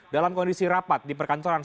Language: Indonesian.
dalam kondisi rapat di perkantoran